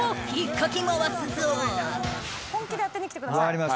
本気で当てにきてください。